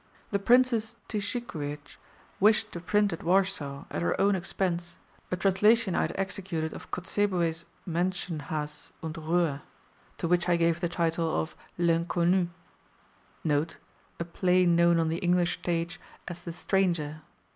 The Princess Tyszicwiez wished to print at Warsaw, at her own expense, a translation I had executed of Kotzebue's 'Menschenhass und Reue, to which I gave the title of 'L'Inconnu'. [A play known on the English stage as The Stranger.